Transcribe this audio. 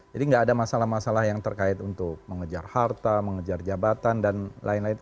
jadi gak ada masalah masalah yang terkait untuk mengejar harta mengejar jabatan dan lain lain